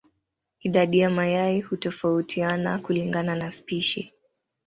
Idadi ya mayai hutofautiana kulingana na spishi.